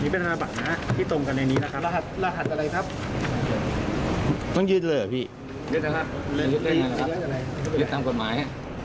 พิษนะครับพิษในไหนครับพิษในกฎหมาย